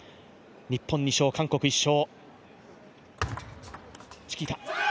日本１勝、韓国１勝。